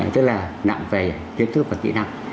tức là nặng về kiến thức và kỹ năng